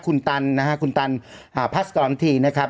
คุณตันนะฮะคุณตันพาสกรทีนะครับ